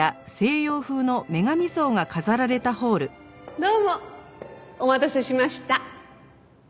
どうもお待たせしました。